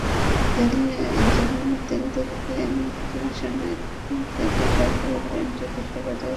জ্বালানি তেল থেকে মুদ্রা, সোনা থেকে সরকারি বন্ড—বিশ্ববাজারে সবকিছুর মূল্যই এখন সর্বনিম্ন।